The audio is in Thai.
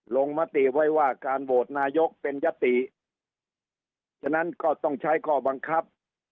มติไว้ว่าการโหวตนายกเป็นยติฉะนั้นก็ต้องใช้ข้อบังคับ